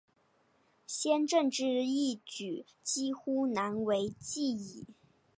先正之义举几乎难为继矣。